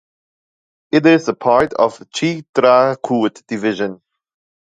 It is a part of Chitrakoot Division.